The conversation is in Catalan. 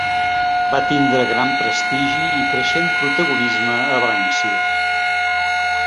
Va tindre gran prestigi i creixent protagonisme a València.